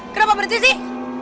kenapa berhenti sih